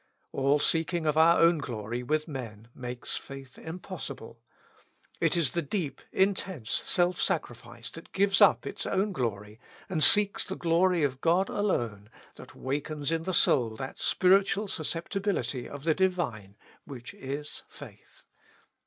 " All seeking of our own glory with men makes faith impossible : it is the deep, intense self sacrifice that gives up its own glory, and seeks the glory of God alone, that wakens in the soul that spiritual susceptibility of the Divine, which is faith.